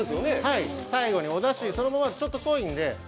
最後におだし、そのままだとちょっと濃いので。